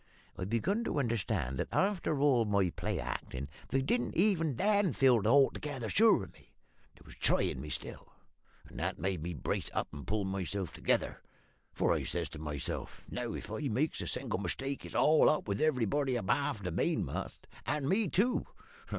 I began to understand that, after all my play actin', they didn't even then feel altogether sure of me they was tryin' me still; and that made me brace up and pull myself together; for I says to myself, `Now, if I makes a single mistake it's all up with everybody abaft the mainmast, and me, too.'